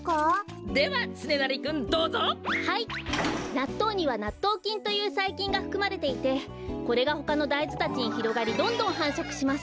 なっとうにはなっとうきんというさいきんがふくまれていてこれがほかのだいずたちにひろがりどんどんはんしょくします。